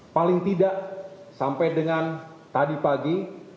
paling tidak sampai dengan tadi pagi